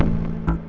terima kasih bu